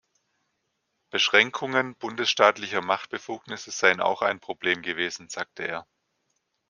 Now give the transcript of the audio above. Beschränkungen bundesstaatlicher Machtbefugnisse seien auch ein Problem gewesen, sagte er.